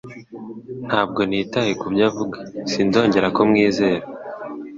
Ntabwo nitaye kubyo avuga Sinzongera kumwizera